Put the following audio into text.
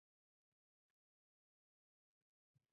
勇士首轮对决波特兰拓荒者队。